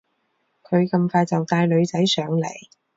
佢咁快就帶女仔上嚟